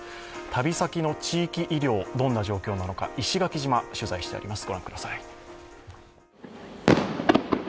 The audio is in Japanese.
旅先の地域医療、どんな状況なのか石垣島、取材してあります。